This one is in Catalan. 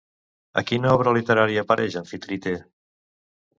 A quina obra literària apareix Amfitrite?